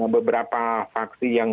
beberapa faksi yang